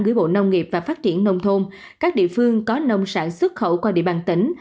gửi bộ nông nghiệp và phát triển nông thôn các địa phương có nông sản xuất khẩu qua địa bàn tỉnh